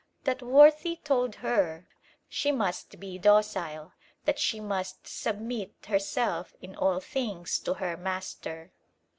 That worthy told her she must be docile: that she must submit herself in all things to her master.